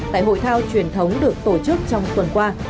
tại hội thao truyền thống được tổ chức trong tuần qua